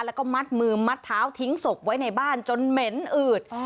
แล้วก็มัดมือมัดเท้าทิ้งศพไว้ในบ้านจนเหม็นอืด